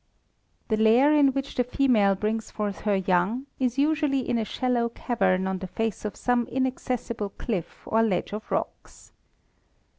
The lair in which the female brings forth her young is usually in a shallow cavern on the face of some inaccessible cliff or ledge of rocks.